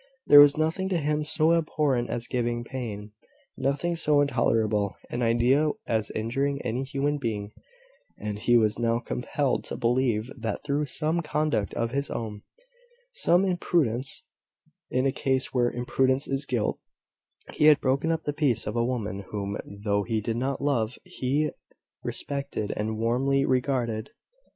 There was nothing to him so abhorrent as giving pain; nothing so intolerable in idea as injuring any human being: and he was now compelled to believe that through some conduct of his own, some imprudence, in a case where imprudence is guilt, he had broken up the peace of a woman whom, though he did not love, he respected and warmly regarded!